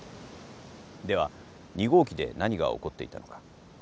では２号機で何が起こっていたのか。